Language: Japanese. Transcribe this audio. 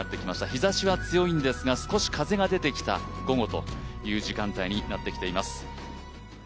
日ざしは強いんですが少し風が出てきた午後の時間帯となっております。